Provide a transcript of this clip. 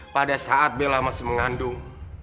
pada saat bella masih mengandung